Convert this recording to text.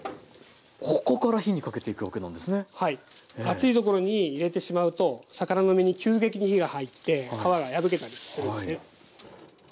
熱いところに入れてしまうと魚の身に急激に火が入って皮が破けたりするんで。